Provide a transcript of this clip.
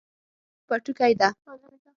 دا پټوکۍ ده